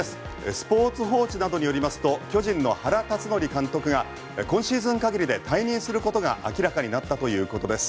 スポーツ報知などによりますと巨人の原辰徳監督が今シーズン限りで退任することが明らかになったということです。